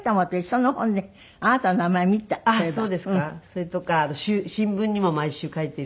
それとか新聞にも毎週書いているので。